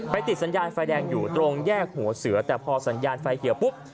ติดสัญญาณไฟแดงอยู่ตรงแยกหัวเสือแต่พอสัญญาณไฟเขียวปุ๊บ